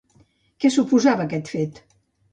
Què suposava aquest fet?